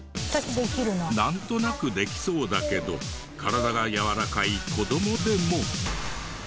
なんとなくできそうだけど体がやわらかい子どもでも。